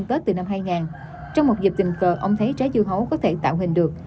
trong một dịp tình cờ ông thấy trái dưa hấu có thể tạo hình được